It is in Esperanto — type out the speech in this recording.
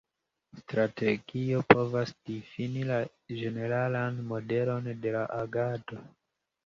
Strategio povas difini la ĝeneralan modelon de la agado.